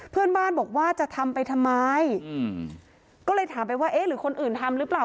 เพื่อนบ้านบอกว่าจะทำไปทำไมอืมก็เลยถามไปว่าเอ๊ะหรือคนอื่นทำหรือเปล่า